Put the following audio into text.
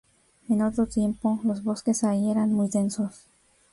En otro tiempo, los bosques allí eran muy densos.